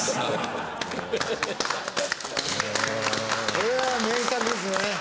これは名作ですね！